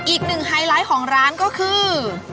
อีกหนึ่งไฮไลท์ของร้านก็คือ